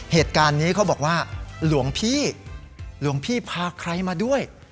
เหตุการณ์นี้เขาบอกว่าหลวงพี่หลวงพี่พาใครมาด้วย